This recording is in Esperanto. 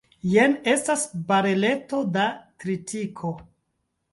Jen estas bareleto da tritiko.